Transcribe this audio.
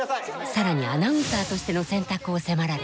更にアナウンサーとしての選択を迫られ。